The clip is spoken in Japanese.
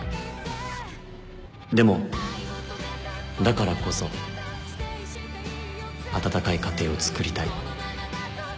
でもだからこそ温かい家庭をつくりたい